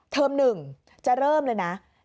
๑จะเริ่มเลยนะ